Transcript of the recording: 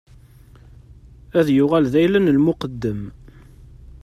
Ad yuɣal d ayla n lmuqeddem.